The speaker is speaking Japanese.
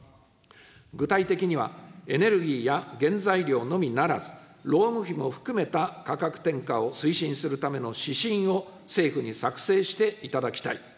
具体的には、エネルギーや原材料のみならず、労務費も含めた価格転嫁を推進するための指針を政府に作成していただきたい。